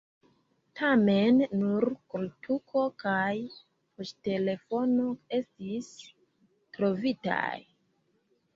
Tamen nur koltuko kaj poŝtelefono estis trovitaj.